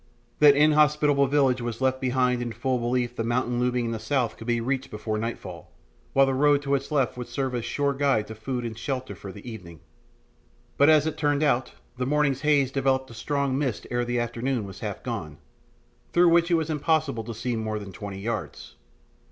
That inhospitable village was left behind in full belief the mountain looming in the south could be reached before nightfall, while the road to its left would serve as a sure guide to food and shelter for the evening. But, as it turned out, the morning's haze developed a strong mist ere the afternoon was half gone, through which it was impossible to see more than twenty yards.